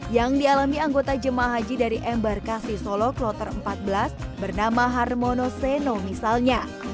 yang dialami anggota jemaah haji dari embarkasi solo kloter empat belas bernama harmono seno misalnya